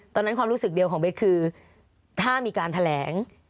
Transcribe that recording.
ความรู้สึกเดียวของเบสคือถ้ามีการแถลง